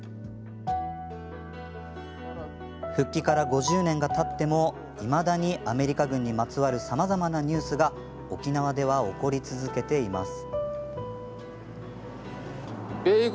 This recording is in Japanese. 復帰から５０年がたってもいまだに、アメリカ軍にまつわるさまざまなニュースが沖縄では起こり続けています。